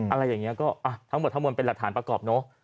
อะไรอย่างนี้ก็ทั้งหมดทั้งหมดเป็นหลักฐานประกอบเนอะ